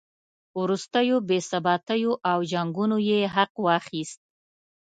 وروستیو بې ثباتیو او جنګونو یې حق واخیست.